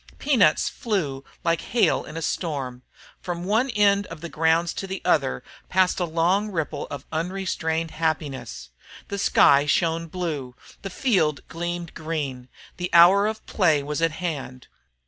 Peanuts flew like hail in a storm. From one end of the grounds to the other passed a long ripple of unrestrained happiness. The sky shone blue, the field gleamed green, the hour of play was at hand.